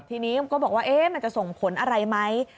ทีนี้ก็บอกว่ามันจะส่งผลอะไรไหม